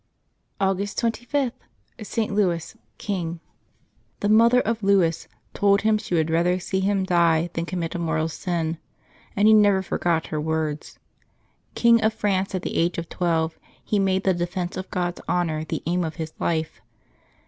August 25.— ST. LOUIS, King. ^=\HB mother of Louis told him she would rather see him W/ die than commit a mortal sin, and he never forgot her words. King of France at the age of twelve, he made the defence of God's honor the aim of his life.